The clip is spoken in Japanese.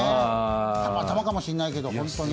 たまたまかもしれないけどホントに。